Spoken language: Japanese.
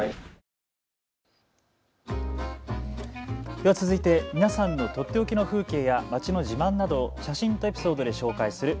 では続いて皆さんのとっておきの風景や街の自慢などを写真とエピソードで紹介する＃